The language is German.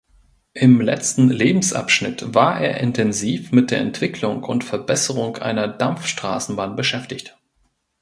Im letzten Lebensabschnitt war er intensiv mit der Entwicklung und Verbesserung einer Dampfstraßenbahn beschäftigt.